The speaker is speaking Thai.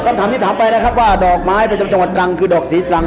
คำถามที่ถามไปนะครับว่าดอกไม้ประจำจังหวัดรังคือดอกสีตรัง